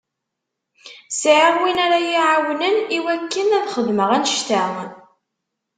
Sɛiɣ win ara yi-iɛawnen i wakken ad xedmeɣ annect-a.